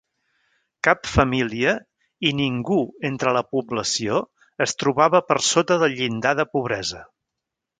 Cap família i ningú entre la població es trobava per sota del llindar de pobresa.